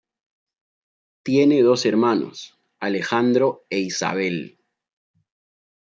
Tiene dos hermanos, Alejandro e Isabel.